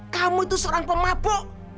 kamu itu seorang pemah bu